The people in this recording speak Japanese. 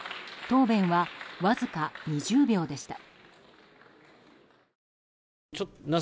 答弁は、わずか２０秒でした。